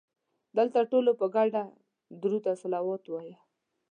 دلته ټولو په ګډه درود او صلوات وایه.